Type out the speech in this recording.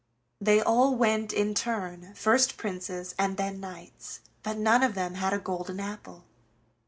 They all went in turn, first princes, and then knights, but none of them had a golden apple.